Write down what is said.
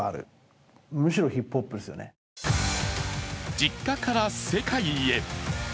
実家から世界へ。